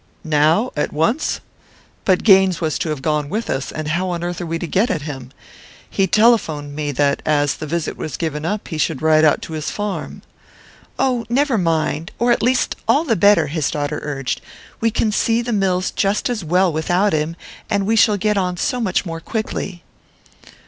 Now at once? But Gaines was to have gone with us, and how on earth are we to get at him? He telephoned me that, as the visit was given up, he should ride out to his farm." "Oh, never mind or, at least, all the better!" his daughter urged. "We can see the mills just as well without him; and we shall get on so much more quickly."